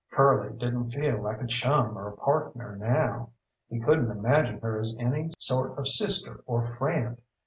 Curly didn't feel like a chum or a partner now; he couldn't imagine her as any sort of sister or friend.